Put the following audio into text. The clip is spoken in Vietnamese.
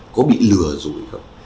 có bị lừa rồi không